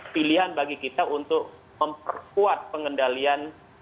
pilihan bagi kita untuk memperkuat pengendalian